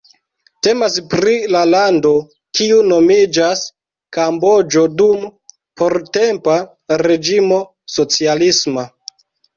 Temas pri la lando kiu nomiĝas Kamboĝo dum portempa reĝimo socialisma.